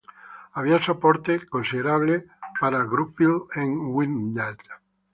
Había soporte considerable para Gruffydd en Gwynedd.